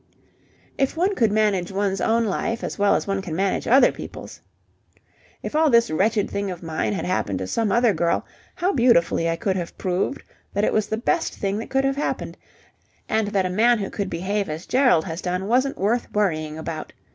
"If one could manage one's own life as well as one can manage other people's! If all this wretched thing of mine had happened to some other girl, how beautifully I could have proved that it was the best thing that could have happened, and that a man who could behave as Gerald has done wasn't worth worrying about.